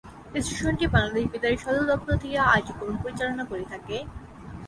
স্টেশনটি বাংলাদেশ বেতারের সদর দপ্তর থেকে কার্যক্রম পরিচালনা করে থাকে।